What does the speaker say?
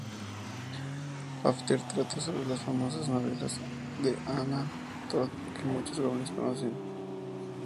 After trata sobre las famosas novelas de Anna Todd que muchos jóvenes conocen.